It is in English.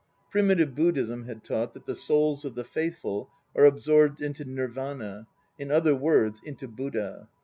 Prim itive Buddhism had taught that the souls of the faithful are absorbed into Nirvana, in other words into Buddha.